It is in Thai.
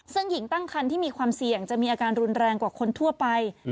ซึ่งหญิงตั้งคันที่มีความเสี่ยงจะมีอาการรุนแรงกว่าคนทั่วไป